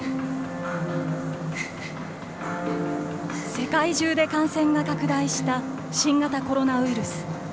世界中で感染が拡大した新型コロナウイルス。